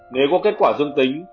nếu có kết quả dương tính